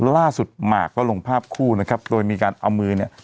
ล่าสุดหมากก็ลงภาพคู่นะครับโดยมีการเอามือเนี่ย